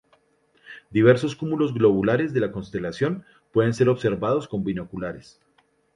Diversos cúmulos globulares de la constelación pueden ser observados con binoculares.